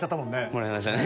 もらいましたね。